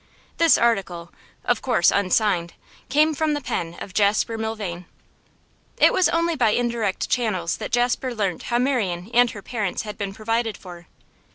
This article, of course unsigned, came from the pen of Jasper Milvain. It was only by indirect channels that Jasper learnt how Marian and her parents had been provided for.